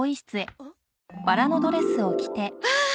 ああ！